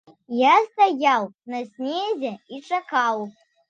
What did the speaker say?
Я стаяў на снезе і чакаў.